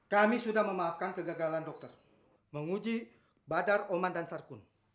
kami sudah memaafkan kegagalan dokter menguji badar oman dan sarkun